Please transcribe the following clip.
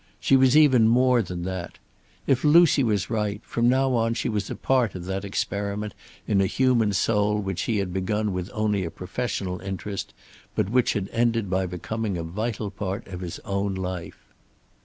She was even more than that. If Lucy was right, from now on she was a part of that experiment in a human soul which he had begun with only a professional interest, but which had ended by becoming a vital part of his own life.